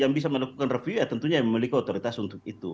yang bisa melakukan review ya tentunya memiliki otoritas untuk itu